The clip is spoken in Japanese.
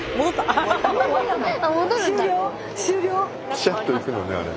ピシャッといくのねあれで。